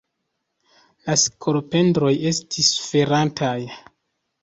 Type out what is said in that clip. Ia skolopendroj estis suferantaj.